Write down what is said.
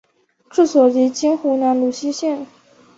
治所即今湖南泸溪县。